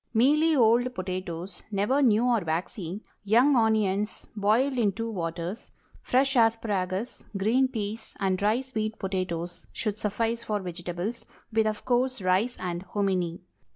Mealy old potatoes—never new or waxy—young onions, boiled in two waters; fresh asparagus, green peas, and dry sweet potatoes should suffice for vegetables, with, of course, rice and hominy.